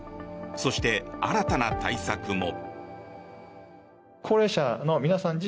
そして、新たな対策も。